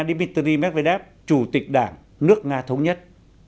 dmitry medvedev chủ tịch đảng nước nga thống nhất